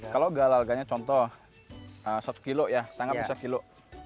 kalau galal galnya contoh satu kilo ya sangat besar kilo